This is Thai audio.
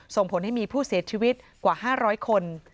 ส่งผลให้มีผู้เสียชีวิตกว่า๕๐๐คน